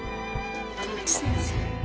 田口先生。